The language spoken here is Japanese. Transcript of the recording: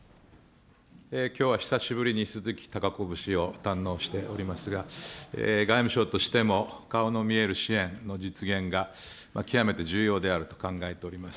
きょうは久しぶりに鈴木貴子節を堪能しておりますが、外務省としても顔の見える支援の実現が極めて重要であると考えております。